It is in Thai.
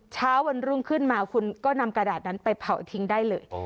เช้าวันรุ่งขึ้นมาคุณก็นำกระดาษนั้นไปเผาทิ้งได้เลย